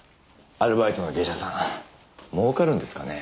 アルバイトの芸者さん儲かるんですかね？